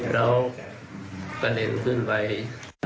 แล้วประเด็นขึ้นไป